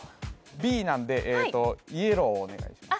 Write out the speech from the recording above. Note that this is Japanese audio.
Ｂなんでえーとイエローお願いします